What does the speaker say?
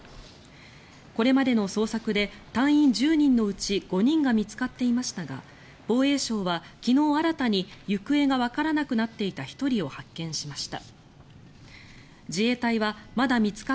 これまでの捜索で隊員１０人のうち５人が見つかっていましたが防衛省は昨日新たに行方がわからなくなっていた１人を発見しました。